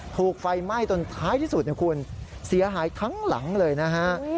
ถูกไฟไหม้จนท้ายที่สุดนะคุณเสียหายทั้งหลังเลยนะฮะ